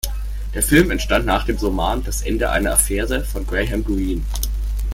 Der Film entstand nach dem Roman "Das Ende einer Affäre" von Graham Greene.